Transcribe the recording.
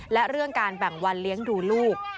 และเรื่องการแบ่งวันเลี้ยงดูลูก